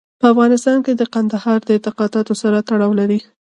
په افغانستان کې کندهار د خلکو د اعتقاداتو سره تړاو لري.